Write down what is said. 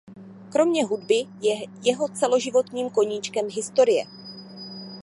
Kromě hudby je jeho celoživotním koníčkem historie.